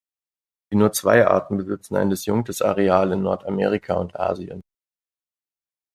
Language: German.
Die nur zwei Arten besitzen ein disjunktes Areal in Nordamerika und Asien.